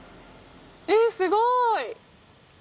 えっすごい！